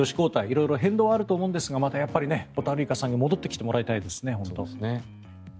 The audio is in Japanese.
色々、変動あると思うんですがまたホタルイカさんに戻ってきてもらいたいですね。